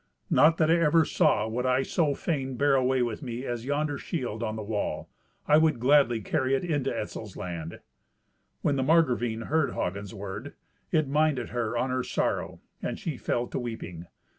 "Naught that I ever saw would I so fain bear away with me as yonder shield on the wall. I would gladly carry it into Etzel's land." When the Margravine heard Hagen's word, it minded her on her sorrow, and she fell to weeping.